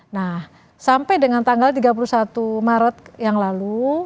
nah sampai dengan tanggal tiga puluh satu maret yang lalu